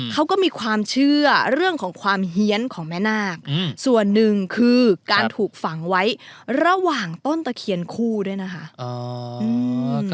เขาก็มีความเชื่อเรื่องของความเฮียนของแม่นาคส่วนหนึ่งคือการถูกฝังไว้ระหว่างต้นตะเคียนคู่ด้วยนะคะ